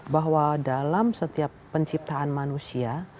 bahwa dalam setiap penciptaan manusia